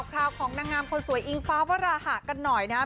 คราวของนางงามคนสวยอิงฟ้าวราหะกันหน่อยนะครับ